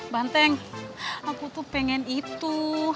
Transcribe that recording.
banteng aku tuh pengen itu